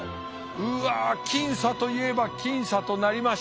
うわ僅差といえば僅差となりました。